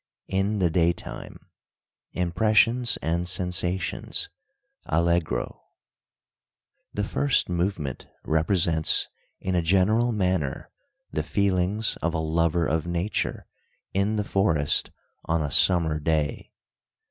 IN THE DAYTIME IMPRESSIONS AND SENSATIONS (Allegro) "The first movement represents in a general manner the feelings of a lover of nature in the forest on a summer day."